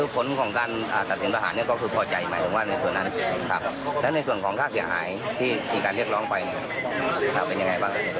ครับอีกครั้ง